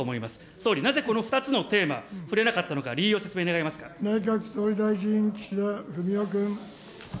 総理なぜこの２つのテーマ、触れなかったのか、内閣総理大臣、岸田文雄君。